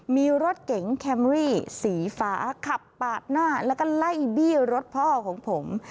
มีรถเก๋งแคมรี่สีฟ้าขับปาดหน้าแล้วก็ไล่บี้รถพ่อของผม